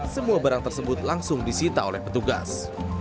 semua barang tersebut langsung disita oleh petugas